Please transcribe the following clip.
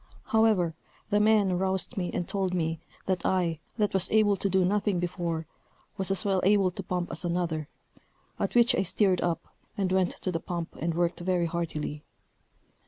However, the men roused me, and told me, that I, that was able to do nothing before, was as well able to pump as another; at which I stirred up, and went to the pump, and worked very heartily.